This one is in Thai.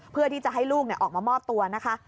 เพื่อที่จะให้ลูกออกมามอบตัวนะคะ